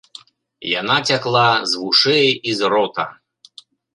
Яна цякла з вушэй і з рота.